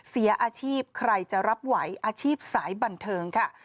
เสียอาชีพใครจะรับไหวอาชีพสายบันเทิงค่ะ